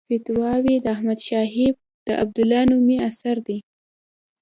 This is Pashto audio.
فتاوی احمدشاهي د عبدالله نومي اثر دی.